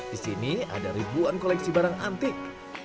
di sini ada ribuan koleksi barang antik